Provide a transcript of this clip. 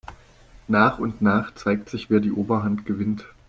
Nach und nach zeigt sich, wer die Oberhand gewinnt.